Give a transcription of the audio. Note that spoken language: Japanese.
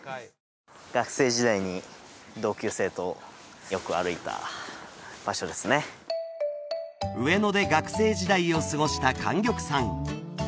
学生時代に同級生とよく歩いた場所ですね上野で学生時代を過ごした莟玉さん